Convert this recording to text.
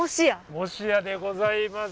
もしやでございます。